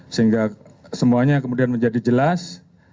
sehingga semuanya kemudian menjadi jelas